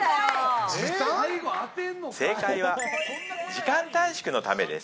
正解は時間短縮のためです。